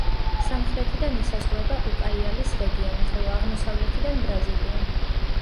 სამხრეთიდან ესაზღვრება უკაიალის რეგიონი, ხოლო აღმოსავლეთიდან ბრაზილია.